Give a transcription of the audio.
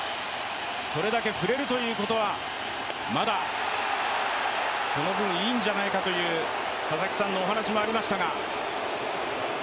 それだけ振れるということはその分いいんじゃないかという佐々木さんのお話もありましたが。